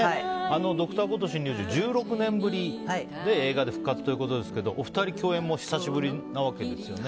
「Ｄｒ．コトー診療所」１６年ぶりに映画で復活ということですけどお二人、共演も久しぶりなわけですよね。